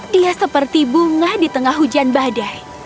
dia seperti bunga di tengah hujan badai